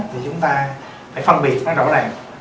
thì chúng ta phải phân biệt nó rõ ràng